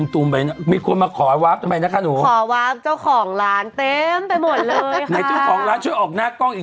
ถ้ามีอะไรจะเป็น